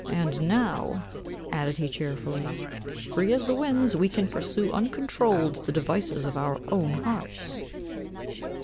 And now" added he cheerfully, "free as the winds, we can pursue uncontrolled the devices of our own hearts."